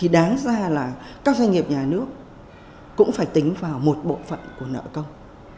các doanh nghiệp nhà nước cũng phải tính vào một bộ phận của nợ công